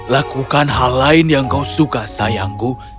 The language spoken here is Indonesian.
lakukan hal lain yang kau suka sayangku